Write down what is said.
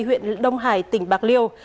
huyện đông hải tỉnh bạc liêu